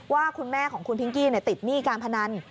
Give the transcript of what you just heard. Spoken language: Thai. ว่าคุณแม่ของคุณพิงกี้ติดหนี้การพนัน